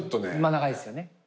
長いっすよね。